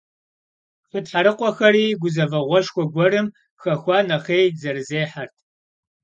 Хы тхьэрыкъуэхэри, гузэвэгъуэшхуэ гуэрым хэхуа нэхъей, зэрызехьэрт.